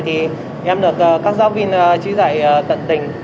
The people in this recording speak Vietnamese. thì em được các giáo viên trí giải tận tình